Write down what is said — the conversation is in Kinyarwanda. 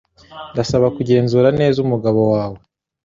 Ndasaba kugenzura neza umugabo wawe.